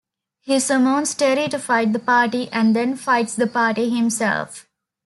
He summons Terry to fight the party and then fights the party himself.